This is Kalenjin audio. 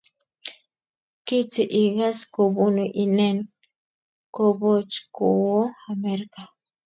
kiti igas kobunu inen koboch kowo Amerika?